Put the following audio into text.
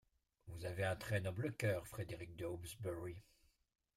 «Vous avez un très noble cœur, Frédéric de Hawksbury.